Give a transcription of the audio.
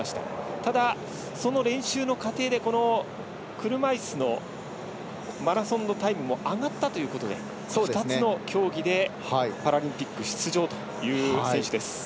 ただ、その練習の過程で車いすのマラソンのタイムも上がったということで２つの競技でパラリンピック出場という選手です。